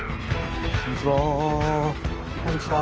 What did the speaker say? こんにちは。